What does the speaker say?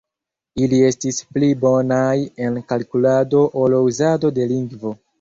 Ili estis pli bonaj en kalkulado ol uzado de lingvo.